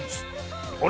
あれ？